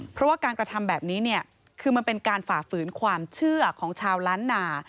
เพราะว่าการกระทำแบบนี้เนี่ยคือมันเป็นการฝ่าฝืนความเชื่อของชาวล้านนา